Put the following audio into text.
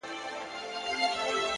o اوس مي هم ښه په ياد دي زوړ نه يمه،